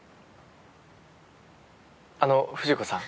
あの藤子さん。